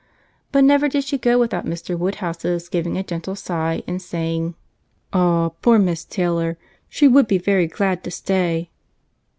But never did she go without Mr. Woodhouse's giving a gentle sigh, and saying, "Ah, poor Miss Taylor! She would be very glad to stay."